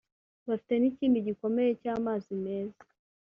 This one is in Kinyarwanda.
bafite n’ikindi gikomeye cy’amazi meza